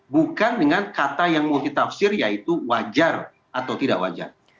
bukan dengan kata yang multitafsir yaitu wajar atau tidak wajar